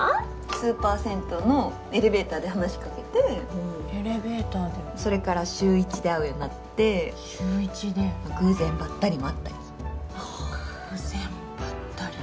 スーパー銭湯のエレベーターで話しかけてエレベーターでそれから週１で会うようになって週１で偶然ばったりもあったり偶然ばったり？